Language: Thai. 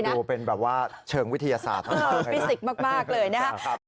โอ้คุณดูเป็นแบบว่าเชิงวิทยาศาสตร์เออฟิสิกส์มากมากเลยนะฮะ